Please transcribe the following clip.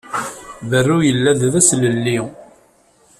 Berru yella-d d aslelli.